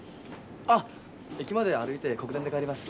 あ駅まで歩いて国電で帰ります。